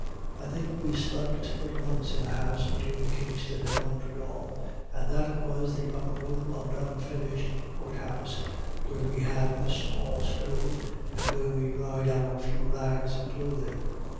I think we slept but once in a house between Kingston and Montreal, and that was the upper room of an unfinished court house, where we had a small stove, and where we dried our few rags of clothing.